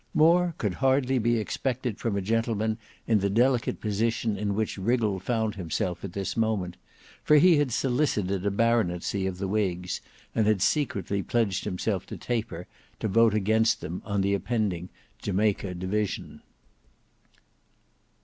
More could hardly be expected from a gentleman in the delicate position in which Wriggle found himself at this moment, for he had solicited a baronetcy of the whigs, and had secretly pledged himself to Taper to vote against them on the impending Jamaica division.